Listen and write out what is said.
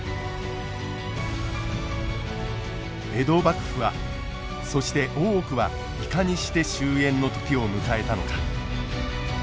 江戸幕府はそして大奥はいかにして終えんの時を迎えたのか。